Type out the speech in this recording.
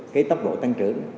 cái tốc độ tăng trưởng